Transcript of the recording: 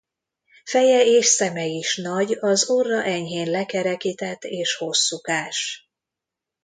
Feje és a szeme is nagy az orra enyhén lekerekített és hosszúkás.